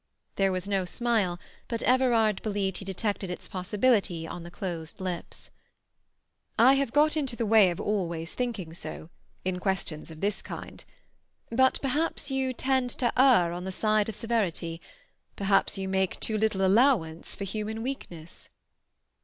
There was no smile, but Everard believed that he detected its possibility on the closed lips. "I have got into the way of always thinking so—in questions of this kind. But perhaps you tend to err on the side of severity. Perhaps you make too little allowance for human weakness."